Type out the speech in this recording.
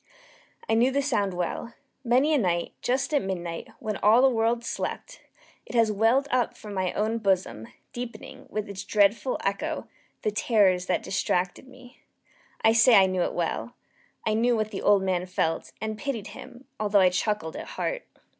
I knew the sound well. Many a night, just at midnight, when all the world slept, it has welled up from my own bosom, deepening, with its dreadful echo, the terrors that distracted me. I say I knew it well. I knew what the old man felt, and pitied him, although I chuckled at heart.